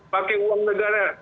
pakai uang negara